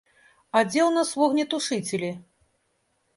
А дзе ў нас вогнетушыцелі?